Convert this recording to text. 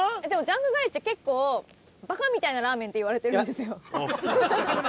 でもジャンクガレッジって結構バカみたいなラーメンっていわれてるんですよ。